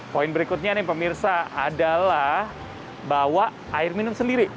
poin berikutnya nih pemirsa adalah bawa air minum sendiri